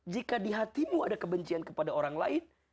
jika di hatimu ada kebencian kepada orang lain